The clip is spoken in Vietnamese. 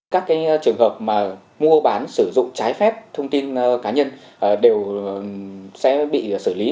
các trường hợp mua bán sử dụng trái phép thông tin cá nhân đều sẽ bị xử lý